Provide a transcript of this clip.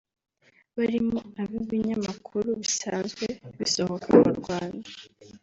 barimo ab’ibinyamakuru bisanzwe bisohoka mu Rwanda